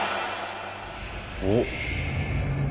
おっ。